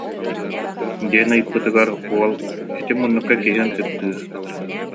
диэн ыйыппытыгар уол: «Ити муннукка киһи ынчыктыыр»